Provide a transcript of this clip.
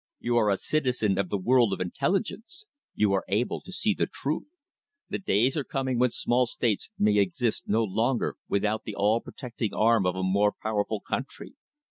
You are a citizen of the world of intelligence. You are able to see the truth. The days are coming when small states may exist no longer without the all protecting arm of a more powerful country.